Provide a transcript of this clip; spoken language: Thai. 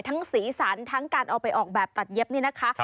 จริงสีสันทั้งการออกแบบตัดเย็บนี้นะคะ